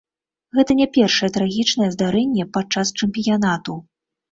Гэта не першае трагічнае здарэнне падчас чэмпіянату.